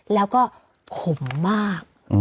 แล้วก็ขมมาก